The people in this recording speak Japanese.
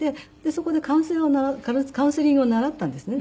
そこでカウンセリングを習ったんですね。